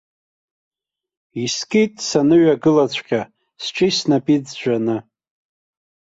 Искит, саныҩагылаҵәҟьа, сҿи-снапи ӡәӡәаны!